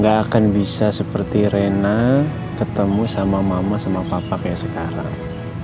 gak akan bisa seperti rena ketemu sama mama sama papa kayak sekarang